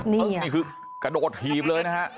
นี่คือกระโดดถีบเลยนะฮะ